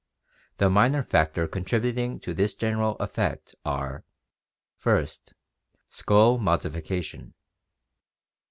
The minor factors contributing to this general effect are, first, skull modifica tion.